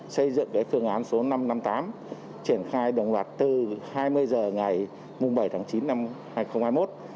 xây dựng phương án số năm trăm năm mươi tám triển khai đồng loạt từ hai mươi h ngày bảy tháng chín năm hai nghìn hai mươi một